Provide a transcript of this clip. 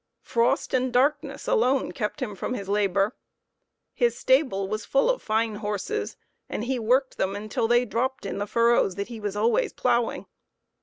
Frost and dark ness alone kept him from his labor. His stable was full of fine horses, and he worked them until they dropped in the furrows that he was always ploughing.